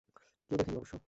কেউ দেখেনি অবশ্য।